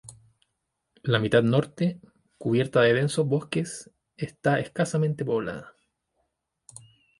La mitad norte, cubierta de densos bosques, está escasamente poblada.